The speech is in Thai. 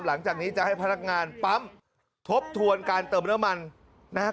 หลังจากนี้จะให้พนักงานปั๊มทบทวนการเติมน้ำมันนะครับ